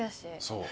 そう。